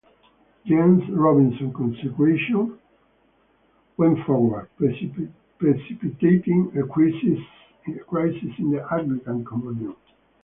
Gene Robinson's consecration went forward, precipitating a crisis in the Anglican Communion.